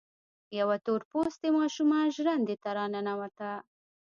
يوه تور پوستې ماشومه ژرندې ته را ننوته.